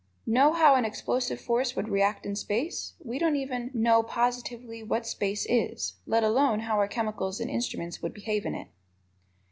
Know how an explosive force would react in space? We don't even know positively what space is, let alone how our chemicals and instruments would behave in it.